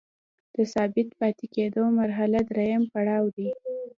د ثابت پاتې کیدو مرحله دریم پړاو دی.